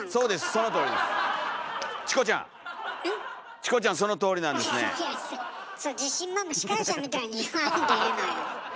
そんな自信満々司会者みたいに言わんでええのよ。